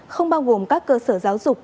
không bao gồm các cơ sở giáo dục